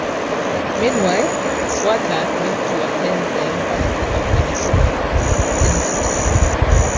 Meanwhile, S Watson went on to attend the University of Minnesota, Twin Cities.